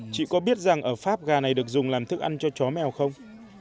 chị có biết rằng ở pháp gà này được dùng làm thức ăn cho chó mèo không